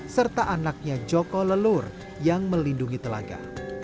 serta anaknya joko lelur yang melindungi telaga